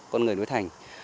con người nguyễn thành